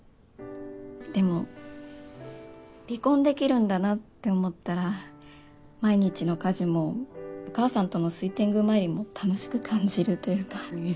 でも離婚できるんだなって思ったら毎日の家事もお義母さんとの水天宮参りも楽しく感じるというか。